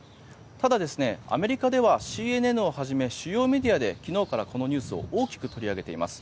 ただ、アメリカではＣＮＮをはじめ、主要メディアで昨日からこのニュースを大きく取り上げています。